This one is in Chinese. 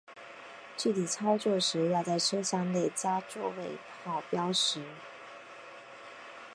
具体操作时要在车厢内加座位号标识。